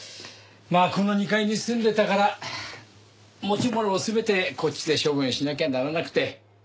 まあこの２階に住んでたから持ち物を全てこっちで処分しなきゃならなくて。